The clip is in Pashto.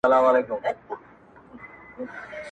زما سپېڅلې لېونتوبه زما په پښو کي تور زنځیره.